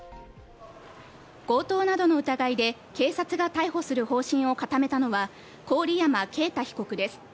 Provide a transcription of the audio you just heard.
強盗などの疑いで警察が逮捕する方針を固めたのは郡山啓太被告です。